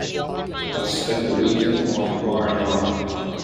I've spent the weekend on R and R.